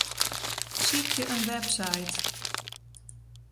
Sykje in website.